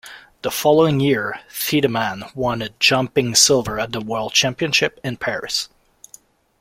The following year, Thiedemann won a jumping silver at the World Championships in Paris.